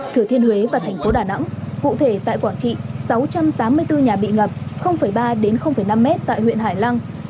thừa thiên huế và thành phố đà nẵng cụ thể tại quảng trị sáu trăm tám mươi bốn nhà bị ngập ba năm m tại huyện hải lăng